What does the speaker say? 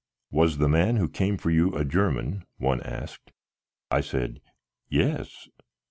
"Was the man who came for you a German?" one asked. I said "Yes."